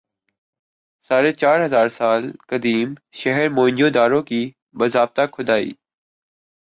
ساڑھے چار ہزار سال قدیم شہر موئن جو دڑو کی باضابطہ کھُدائی